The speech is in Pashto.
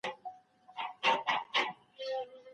که د منکر د منع توان ونلرئ بلنه مه منئ.